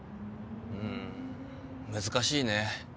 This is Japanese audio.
うーん難しいね。